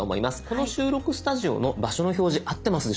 この収録スタジオの場所の表示合ってますでしょうか？